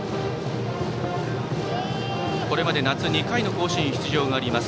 これまで夏２回の甲子園出場があります